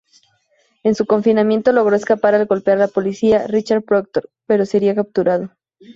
En su confinamiento logró escapar al golpear al polícia Richard Proctor, pero sería capturado.